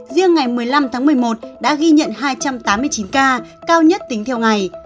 riêng ngày một mươi năm tháng một mươi một đã ghi nhận hai trăm tám mươi chín ca cao nhất tính theo ngày